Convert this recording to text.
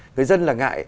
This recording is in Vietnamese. người dân là ngại